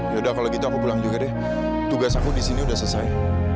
yaudah kalau gitu aku pulang juga deh tugas aku disini udah selesai